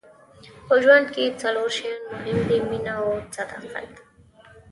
په ژوند کې څلور شیان مهم دي مینه او صداقت.